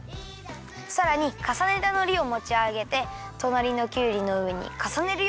さらにかさねたのりをもちあげてとなりのきゅうりのうえにかさねるよ。